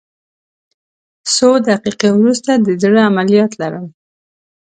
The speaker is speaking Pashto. څو دقیقې وروسته د زړه عملیات لرم